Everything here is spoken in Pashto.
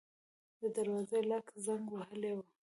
د دروازې لاک زنګ وهلی و.